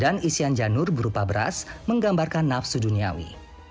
dan isian janur berupa beras menggambarkan nafsu duniawi